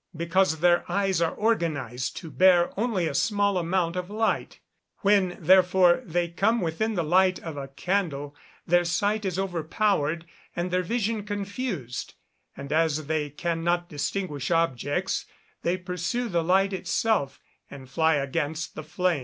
_ Because their eyes are organised to bear only a small amount of light. When, therefore, they come within the light of a candle, their sight is overpowered and their vision confused; and as they cannot distinguish objects, they pursue the light itself, and fly against the flame.